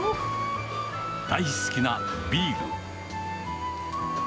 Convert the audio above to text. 大好きなビール。